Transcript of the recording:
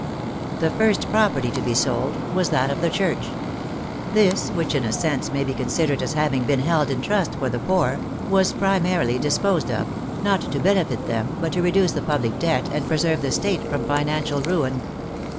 The first property to be sold was that of the Church. This, which in a sense may be considered as having been held in trust for the poor, was primarily disposed of, not to benefit them, but to reduce the public debt and pre serve the State from financial ruin.